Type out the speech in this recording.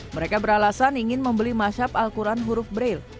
mereka beralasan ingin membeli mashab al quran huruf braille